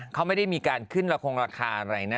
เขาไม่ได้มีการขึ้นละครงราคาอะไรนะ